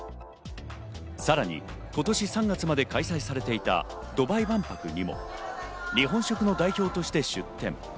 さらに今年３月まで開催されていたドバイ万博にも日本食の代表として出店。